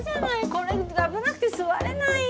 これ危なくて座れないよ